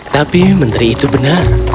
tapi menteri itu benar